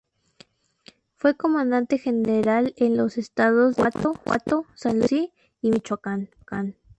Fue comandante general en los estados de Guanajuato, San Luis Potosí y Michoacán.